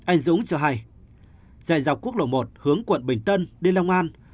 anh dũng cho hay dạy dọc quốc lộ một hướng quận bình tân đi long an